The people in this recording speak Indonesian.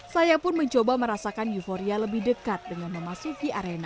saya pun mencoba merasakan euforia lebih dekat dengan memasuki arena